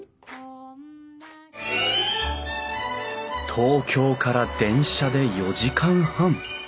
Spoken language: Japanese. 東京から電車で４時間半。